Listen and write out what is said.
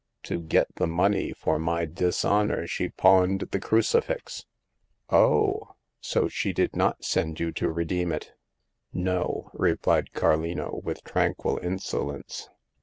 To get the money for my dishonor she pawned the cruci fix." Oh. So she did not send you to redeem it ?"" No," replied Carlino, with tranquil insolence.